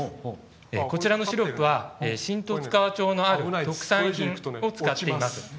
こちらのシロップは新十津川町の、ある特産品を使っています。